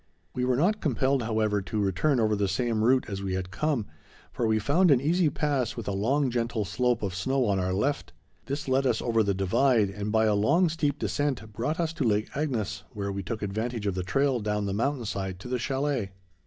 We were not compelled, however, to return over the same route as we had come, for we found an easy pass with a long gentle slope of snow on our left. This led us over the divide and, by a long steep descent, brought us to Lake Agnes, where we took advantage of the trail down the mountain side to the chalet.